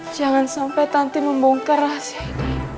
jangan sampai nanti membongkar rahasia ini